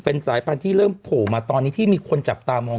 เป็นสายพันธุ์ที่เริ่มโผล่มาตอนนี้ที่มีคนจับตามอง